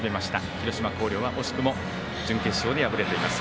広島・広陵は惜しくも準決勝で敗れています。